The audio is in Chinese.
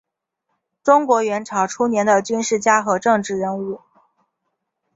中国元朝初年的军事家和政治人物。